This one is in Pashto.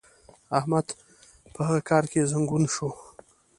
احمد په هغه کار کې زنګون شو.